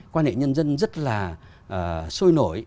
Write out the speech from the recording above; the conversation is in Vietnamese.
quan hệ nhân dân rất là sôi nổi